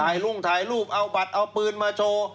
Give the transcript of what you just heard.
ถ่ายรุ่งถ่ายรูปเอาบัตรเอาปืนมาโชว์